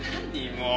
もう。